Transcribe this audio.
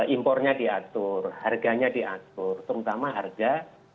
impornya diatur harganya diatur terutama harga